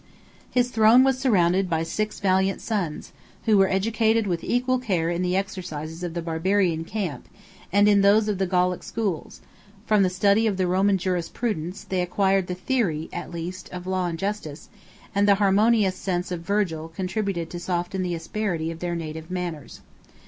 His throne was surrounded by six valiant sons, who were educated with equal care in the exercises of the Barbarian camp, and in those of the Gallic schools: from the study of the Roman jurisprudence, they acquired the theory, at least, of law and justice; and the harmonious sense of Virgil contributed to soften the asperity of their native manners.